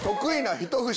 一節！